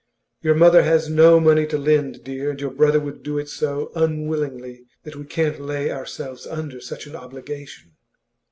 'Your mother has no money to lend, dear, and your brother would do it so unwillingly that we can't lay ourselves under such an obligation.